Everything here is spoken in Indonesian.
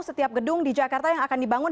setiap gedung di jakarta yang akan dibangun